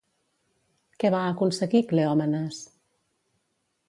Què va aconseguir Cleòmenes?